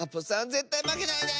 ぜったいまけないで！